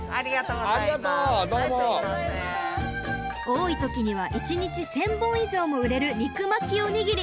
多い時には一日１，０００本以上も売れる肉巻きおにぎり！